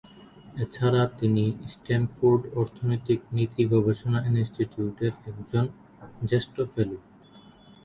এছাড়া তিনি স্ট্যানফোর্ড অর্থনৈতিক নীতি গবেষণা ইনস্টিটিউটের একজন জ্যেষ্ঠ "ফেলো"।